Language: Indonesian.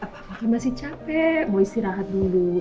papa kan masih capek mau istirahat dulu